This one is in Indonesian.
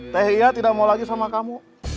teh iya tidak mau lagi sama kamu